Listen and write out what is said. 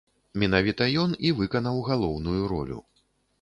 Менавіта ён і выканаў галоўную ролю.